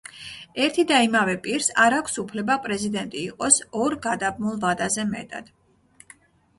ერთი და იმავე პირს არ აქვს უფლება პრეზიდენტი იყოს ორ გადაბმულ ვადაზე მეტად.